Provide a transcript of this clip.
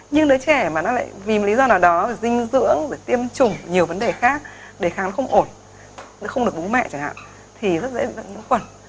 nhưng đứa trẻ mà nó lại vì một lý do nào đó phải dinh dưỡng phải tiêm chủng nhiều vấn đề khác đề kháng nó không ổn nó không được bú mẹ chẳng hạn thì rất dễ bị bệnh nhiễm quẩn